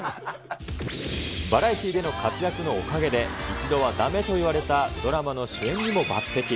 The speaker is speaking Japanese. バラエティの活躍のおかげで、一度はだめと言われたドラマの主演にも抜てき。